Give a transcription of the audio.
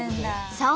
そう！